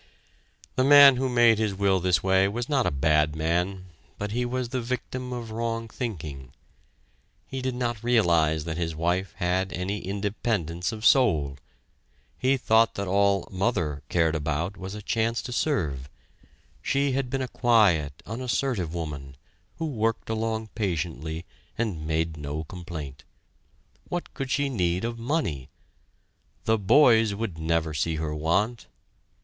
The man who made his will this way was not a bad man, but he was the victim of wrong thinking; he did not realize that his wife had any independence of soul; he thought that all "mother" cared about was a chance to serve; she had been a quiet, unassertive woman, who worked along patiently, and made no complaint. What could she need of money? The "boys" would never see her want.